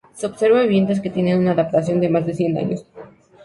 Se observa viviendas que tienen una adaptación de más de cien años.